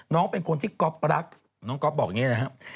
น้องเป็นคนที่ก๊อฟรักน้องก๊อฟบอกอย่างนี้นะครับ